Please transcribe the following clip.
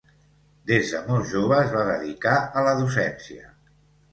Des de molt jove es va dedicar a la docència.